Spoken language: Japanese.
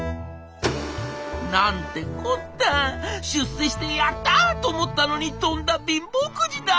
なんてこった出世してヤッター！と思ったのにとんだ貧乏くじだ。